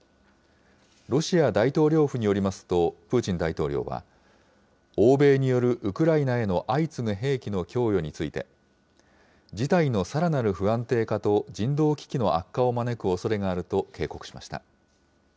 ロシア大統領府によりますと、プーチン大統領は、欧米によるウクライナへの相次ぐ兵器の供与について、事態のさらなる不安定化と人道危機の悪化を招くおそれがあると警告しました。